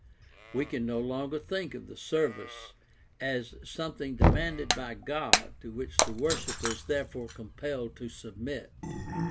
We can no longer think of the service as something demanded by God to which the worshiper is therefore compelled to sub mit.